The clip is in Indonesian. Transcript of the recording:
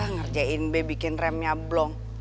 ngerjain b bikin remnya blong